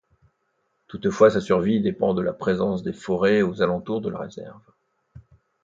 Toutefois, sa survie dépend de la présence des forêts aux alentours de la réserve.